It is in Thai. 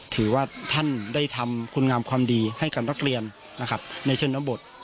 ถือว่าท่านได้ทำคุณงามความดีให้กับนักเรียนนะครับในชนบท